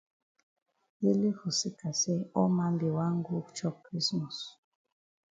Ele for seka say all man be wan go chop krismos.